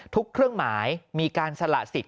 เครื่องหมายมีการสละสิทธิ